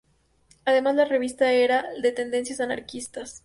Además la revista era de tendencias anarquistas.